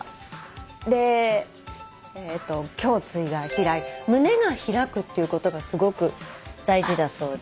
胸椎が胸が開くっていうことがすごく大事だそうで。